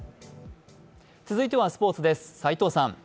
続いてはスポーツです。